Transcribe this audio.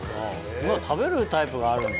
今は食べるタイプがあるんだね。